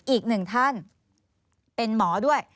อีกหนึ่งท่านเป็นหมอด้วย